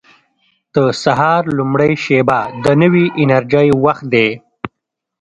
• د سهار لومړۍ شېبه د نوې انرژۍ وخت دی.